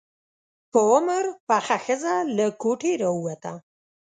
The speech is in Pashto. په عمر پخه ښځه له کوټې راووته.